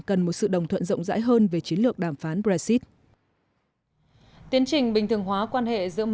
cần một sự đồng thuận rộng rãi hơn